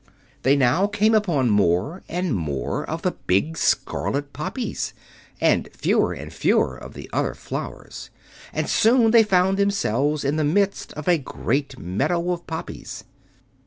They now came upon more and more of the big scarlet poppies, and fewer and fewer of the other flowers; and soon they found themselves in the midst of a great meadow of poppies.